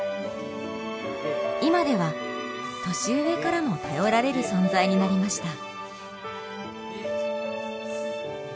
今では年上からも頼られる存在になりました。